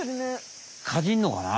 かじんのかな？